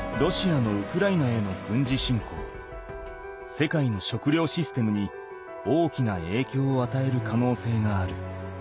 世界の食料システムに大きなえいきょうをあたえるかのうせいがある。